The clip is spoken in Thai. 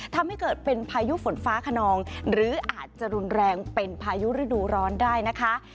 ทำให้เกิดเป็นพายุฝนฟ้าขนองหรืออาจจะรุนแรงเป็นพายุฤดูร้อนได้นะคะ